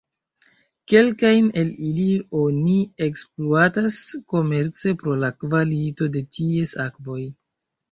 Kelkajn el ili oni ekspluatas komerce pro la kvalito de ties akvoj.